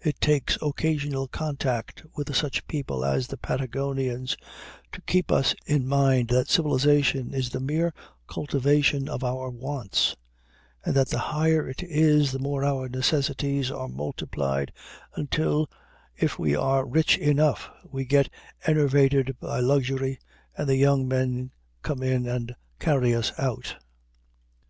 It takes occasional contact with such people as the Patagonians to keep us in mind that civilization is the mere cultivation of our wants, and that the higher it is the more our necessities are multiplied, until, if we are rich enough, we get enervated by luxury, and the young men come in and carry us out.